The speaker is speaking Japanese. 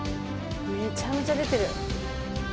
めちゃめちゃ出てる。